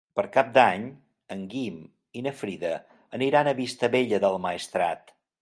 Per Cap d'Any en Guim i na Frida aniran a Vistabella del Maestrat.